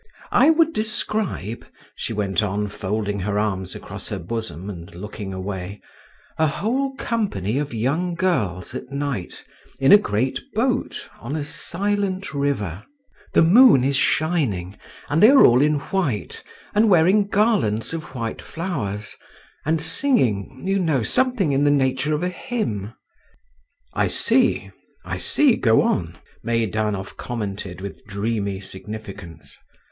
"I would describe," she went on, folding her arms across her bosom and looking away, "a whole company of young girls at night in a great boat, on a silent river. The moon is shining, and they are all in white, and wearing garlands of white flowers, and singing, you know, something in the nature of a hymn." "I see—I see; go on," Meidanov commented with dreamy significance.